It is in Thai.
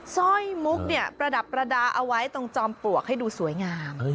สร้อยมุกเนี่ยประดับประดาษเอาไว้ตรงจอมปลวกให้ดูสวยงาม